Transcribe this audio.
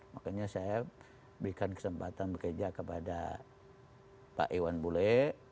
makanya saya berikan kesempatan bekerja kepada pak iwan bule